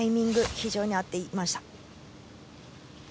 非常に合っていました。